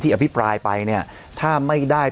อภิปรายไปเนี่ยถ้าไม่ได้